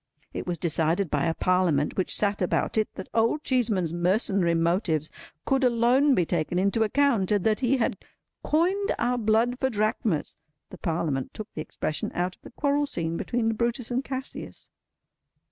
It was decided by a Parliament which sat about it, that Old Cheeseman's mercenary motives could alone be taken into account, and that he had "coined our blood for drachmas." The Parliament took the expression out of the quarrel scene between Brutus and Cassius.